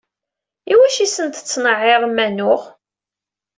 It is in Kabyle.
Iwacu i sen-tettenɛirem anuɣ?